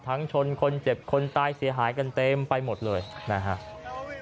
ชนคนเจ็บคนตายเสียหายกันเต็มไปหมดเลยนะครับ